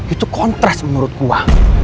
itu kontras menurut gue